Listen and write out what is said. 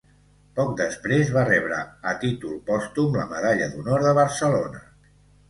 Poc després va rebre a títol pòstum la Medalla d'Honor de Barcelona.